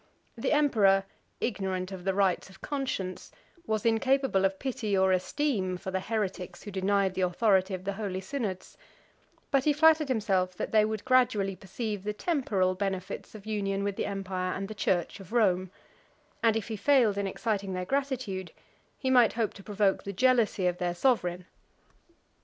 The emperor, ignorant of the rights of conscience, was incapable of pity or esteem for the heretics who denied the authority of the holy synods: but he flattered himself that they would gradually perceive the temporal benefits of union with the empire and the church of Rome; and if he failed in exciting their gratitude, he might hope to provoke the jealousy of their sovereign.